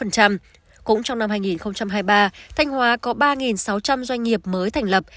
cũng trong năm hai nghìn hai mươi ba thanh hóa có ba sáu trăm linh doanh nghiệp mới thành lập